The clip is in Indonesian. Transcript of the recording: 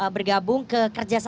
bergabung ke kerja sama